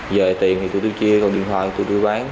giờ tiền thì tụi tôi chia còn điện thoại thì tụi tôi bán